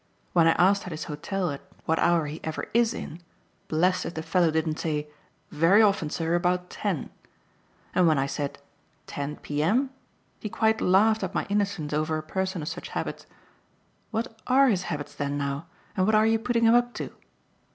When I asked at his hotel at what hour he ever IS in, blest if the fellow didn't say 'very often, sir, about ten!' And when I said 'Ten P. M.?' he quite laughed at my innocence over a person of such habits. What ARE his habits then now, and what are you putting him up to?